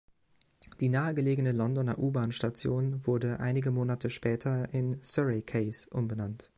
Die nahe gelegene Londoner U-Bahn-Station wurde einige Monate später in Surrey Quays umbenannt.